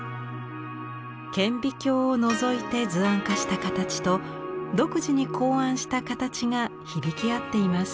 顕微鏡をのぞいて図案化した形と独自に考案した形が響き合っています。